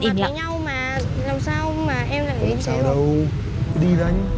thế nhưng họ vẫn im lặng